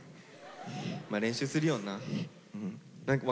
まあ練習するよな。